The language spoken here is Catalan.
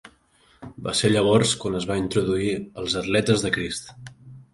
Va ser llavors quan es va introduir als Atletes de Crist.